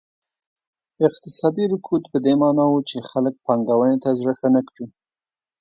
اقتصادي رکود په دې معنا و چې خلک پانګونې ته زړه نه ښه کړي.